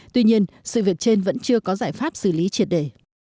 tuy nhiên sự việc trên vẫn chưa có giải pháp xử lý triệt để